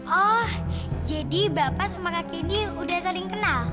oh jadi bapak sama kak ini udah saling kenal